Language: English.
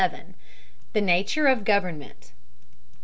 THE NATURE OF GOVERNMENT.